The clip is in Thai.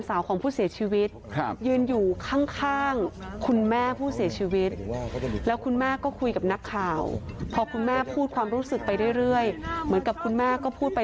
ข้าคนเดียวฆ่าลูกเราไม่รักลูกเราแล้วชวนลูกเรามาทำไม